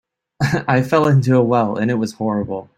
I fell into a well and it was horrible.